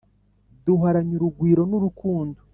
duhorane urugwiro n’urukundo.